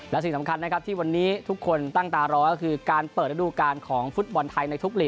และสิ่งสำคัญนะครับที่วันนี้ทุกคนตั้งตารอก็คือการเปิดระดูการของฟุตบอลไทยในทุกหลี